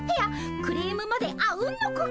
クレームまであうんの呼吸。